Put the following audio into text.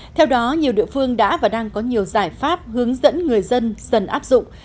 theo đó nhiều địa phương đã và đang có nhiều giải pháp hướng dẫn người dân dần áp dụng